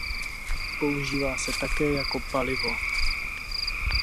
Používá se také jako palivo.